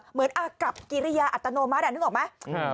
เหมือนอากับกิริยาอัตโนมัตินึกออกไหม